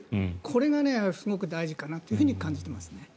これがすごく大事かなというふうに感じてますね。